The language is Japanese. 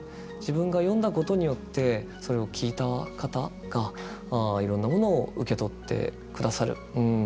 自分が読んだことによってそれを聞いた方がいろんなものを受け取ってくださる。